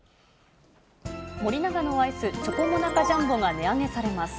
森永のアイス、チョコモナカジャンボが値上げされます。